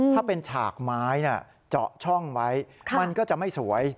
ถ้าเป็นฉากไม้เจาะช่องไว้มันก็จะไม่สวย